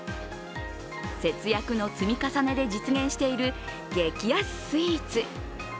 節約の積み重ねで実現している激安スイーツ。